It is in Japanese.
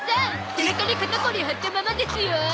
背中に肩凝り貼ったままですよ。